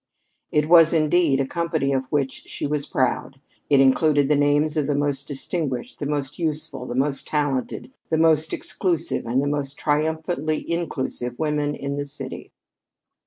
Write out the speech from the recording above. It was, indeed, a company of which she was proud. It included the names of the most distinguished, the most useful, the most talented, the most exclusive, and the most triumphantly inclusive women in the city.